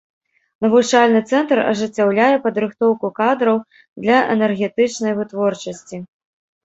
Навучальны цэнтр ажыццяўляе падрыхтоўку кадраў для энергетычнай вытворчасці.